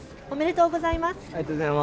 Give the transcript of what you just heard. おめでとうございます。